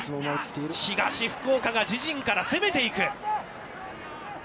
東福岡が自陣から攻めていく。